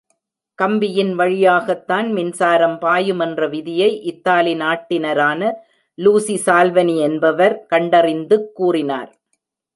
கம்பியின் வழியாகத்தான் மின்சாரம் பாயும் என்ற விதியை, இத்தாலி நாட்டினரான லூசி சால்வனி என்பவர் கண்டறிந்துக் கூறினார்!